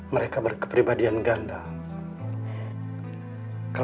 mereka tidak meyakinkan anda